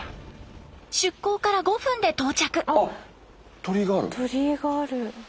出港から５分で到着。